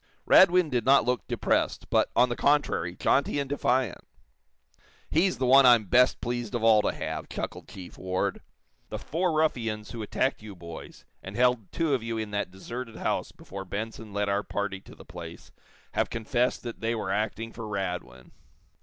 Radwin did not look depressed, but, on the contrary, jaunty and defiant. "He's the one I'm best pleased of all to have," chuckled Chief Ward. "The four ruffians who attacked you boys, and held two of you in that deserted house before Benson led our party to the place, have confessed that they were acting for Radwin.